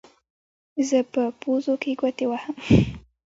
زه په پوزو کې ګوتې وهم.